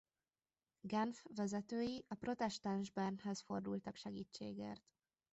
Genf vezetői a protestáns Bernhez fordultak segítségért.